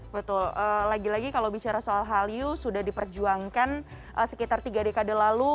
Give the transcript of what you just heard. betul lagi lagi kalau bicara soal hallyu sudah diperjuangkan sekitar tiga dekade lalu